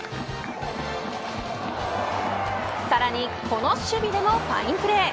さらにこの守備でもファインプレー。